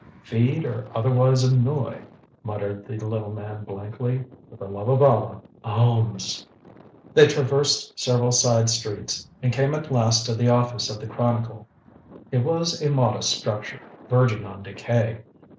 "Feed or otherwise annoy," muttered the little man blankly. "For the love of Allah alms!" They traversed several side streets, and came at last to the office of the Chronicle. It was a modest structure, verging on decay.